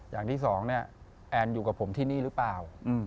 อย่างที่สองเนี่ยแอนอยู่กับผมที่นี่หรือเปล่า